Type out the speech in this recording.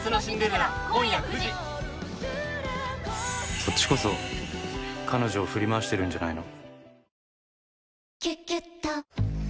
「そっちこそ彼女を振り回してるんじゃないの？」